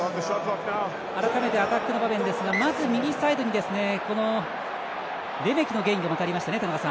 改めてアタックの場面ですがまず、右サイドにレメキのゲインがまたありましたね。